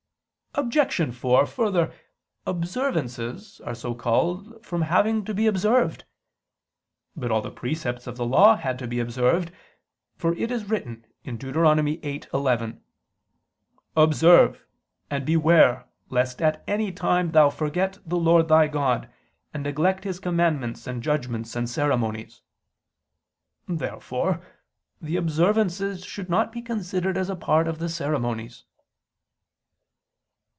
Obj. 4: Further, "observances" are so called from having to be observed. But all the precepts of the Law had to be observed: for it is written (Deut. 8:11): "Observe [Douay: 'Take heed'] and beware lest at any time thou forget the Lord thy God, and neglect His commandments and judgments and ceremonies." Therefore the "observances" should not be considered as a part of the ceremonies.